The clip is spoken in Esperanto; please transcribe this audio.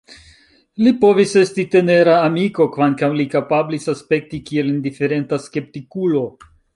Li povis esti tenera amiko, kvankam li kapablis aspekti kiel indiferenta skeptikulo.